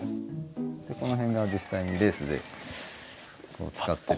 この辺が実際にレースで使ってる。